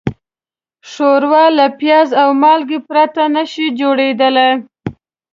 ښوروا له پیاز او مالګې پرته نهشي جوړېدای.